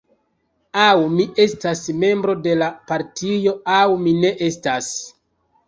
Aŭ mi estas membro de la partio aŭ mi ne estas.